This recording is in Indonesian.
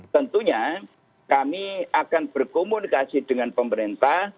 tentunya kami akan berkomunikasi dengan pemerintah